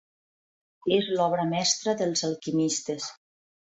És l'Obra mestra dels alquimistes.